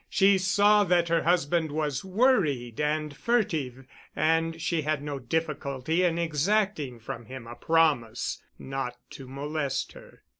She saw that her husband was worried and furtive and she had no difficulty in exacting from him a promise not to molest her.